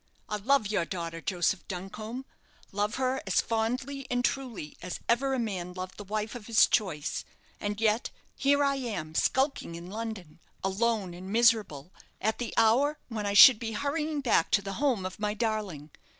I love your daughter, Joseph Duncombe; love her as fondly and truly as ever a man loved the wife of his choice. And yet here am I skulking in London, alone and miserable, at the hour when I should be hurrying back to the home of my darling.